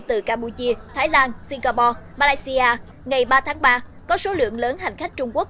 từ campuchia thái lan singapore malaysia ngày ba tháng ba có số lượng lớn hành khách trung quốc